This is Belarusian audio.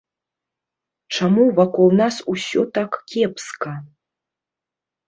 Чаму вакол нас усё так кепска?